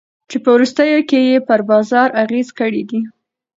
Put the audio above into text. چي په وروستیو کي ئې پر بازار اغېز کړی دی.